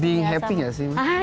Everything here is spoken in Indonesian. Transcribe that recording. being happy ya sih